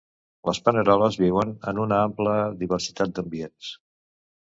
Les paneroles viuen en una ampla diversitat d'ambients.